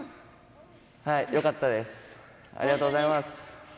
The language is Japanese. よかったです。